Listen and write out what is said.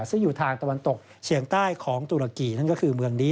ซึ่งอยู่ทางตะวันตกเฉียงใต้ของตุรกีนั่นก็คือเมืองนี้